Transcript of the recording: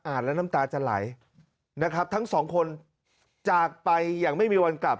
แล้วน้ำตาจะไหลนะครับทั้งสองคนจากไปอย่างไม่มีวันกลับ